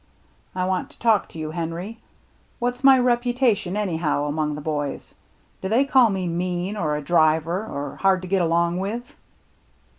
" I want to talk to you, Henry. What's my reputation, anyhow, among the boys ? Do they call me mean, or a driver, or hard to get along with